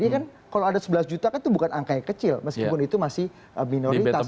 ini kan kalau ada sebelas juta kan itu bukan angka yang kecil meskipun itu masih minoritas